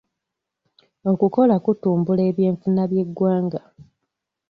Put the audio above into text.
Okukola kutumbula eby'enfuna by'eggwanga.